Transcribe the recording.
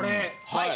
はい。